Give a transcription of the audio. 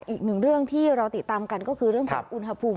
อีกหนึ่งเรื่องที่เราติดตามกันก็คือเรื่องของอุณหภูมิ